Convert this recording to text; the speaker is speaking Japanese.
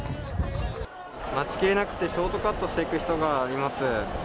待ちきれなくてショートカットしていく人がいます。